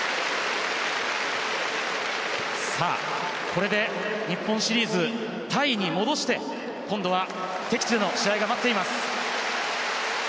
これで日本シリーズタイに戻して今度は敵地での試合が待っています。